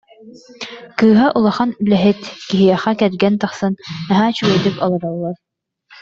Кыыһа улахан үлэһит киһиэхэ кэргэн тахсан, наһаа үчүгэйдик олороллор